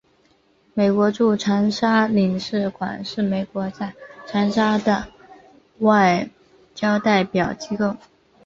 美国驻长沙领事馆是美国在长沙的外交代表机构。